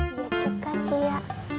iya juga sih ya